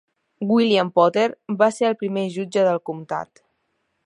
William Potter va ser el primer jutge del comtat.